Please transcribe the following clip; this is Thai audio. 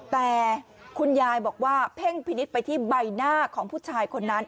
แต่คุณยายบอกว่าเพ่งพินิษฐ์ไปที่ใบหน้าของผู้ชายคนนั้น